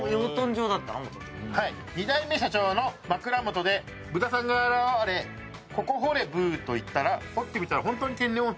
二代目社長の枕元で豚さんが現れ「ここ掘れブー」といったら掘ってみたらホントに天然温泉が。